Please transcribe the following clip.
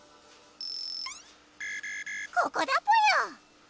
ここだぽよ！